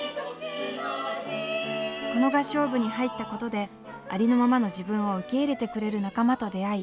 この合唱部に入ったことでありのままの自分を受け入れてくれる仲間と出会い